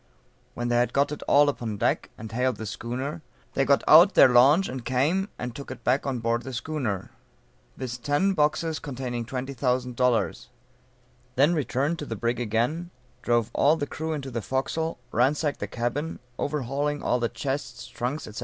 When they had got it all upon deck, and hailed the schooner, they got out their launch and came and took it on board the schooner, viz: ten boxes containing twenty thousand dollars; then returned to the brig again, drove all the crew into the forecastle, ransacked the cabin, overhauling all the chests, trunks, &c.